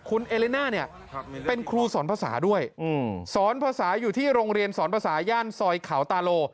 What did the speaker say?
อืมสอนภาษาอยู่ที่โรงเรียนสอนภาษาย่านซอยขาวตาโล